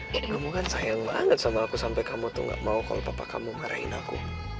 kamu kan sayang banget sama aku sampai kamu tuh gak mau kalau papa kamu marahin aku